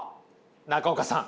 中岡さん